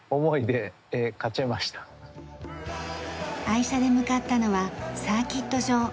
愛車で向かったのはサーキット場。